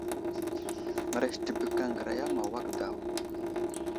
Mərəz təbək aŋgəraya ma awak daw.